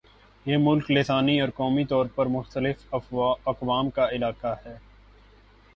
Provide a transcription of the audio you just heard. یہ ملک لسانی اور قومی طور پر مختلف اقوام کا علاقہ ہے